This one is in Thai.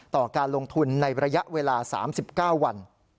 ต่อการลงทุนในระยะเวลา๓๙วัน